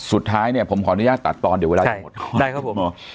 สุดท้ายเนี่ยผมขออนุญาตตัดตอนเดี๋ยวเวลาจะหมดใช่ครับผม